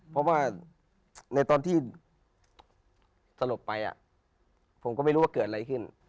เนื้อตอนที่สลบไปผมก็ไม่รู้ว่าเกิดอะไรขึ้น